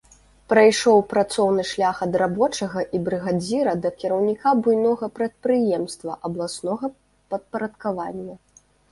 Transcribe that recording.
Прайшоў працоўны шлях ад рабочага і брыгадзіра да кіраўніка буйнога прадпрыемства абласнога падпарадкавання.